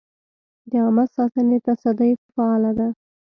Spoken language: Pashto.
د عامه ساتنې تصدۍ فعال ده؟